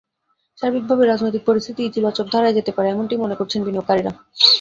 সার্বিকভাবে রাজনৈতিক পরিস্থিতি ইতিবাচক ধারায় যেতে পারে, এমনটিই মনে করছেন বিনিয়োগকারীরা।